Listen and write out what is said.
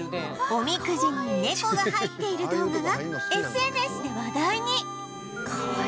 おみくじに猫が入っている動画が ＳＮＳ で話題に